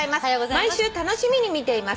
「毎週楽しみに見ています」